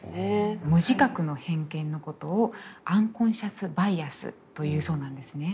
無自覚の偏見のことをアンコンシャス・バイアスというそうなんですね。